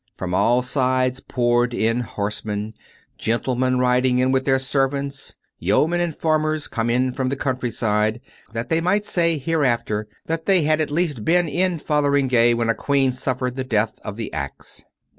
From all sides poured in horsemen; gentlemen riding in with their servants; yeomen and farmers come in from the countryside, that they might say hereafter that they had at least been in Fotheringay when a Queen suffered the death of the axe.